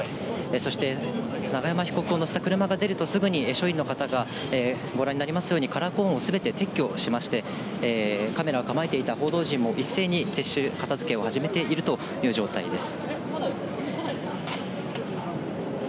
そして永山被告を乗せた車が出るとすぐに、署員の方が、ご覧になりますように、カラーコーンをすべて撤去しまして、カメラを構えていた報道陣も一斉に撤収、片づけを始めているという状態です。